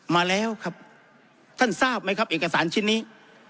มาแล้วครับท่านทราบไหมครับเอกสารชิ้นนี้